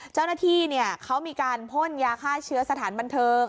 เจ้าหน้าที่เขามีการพ่นยาฆ่าเชื้อสถานบันเทิง